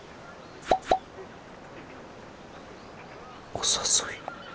お誘い。